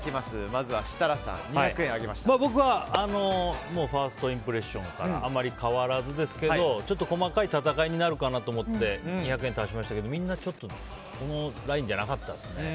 まずは設楽さん僕はファーストインプレッションからあまり変わらずですけどちょっと細かい戦いになるかなと思って２００円足しましたけどみんなこのラインじゃなかったですね。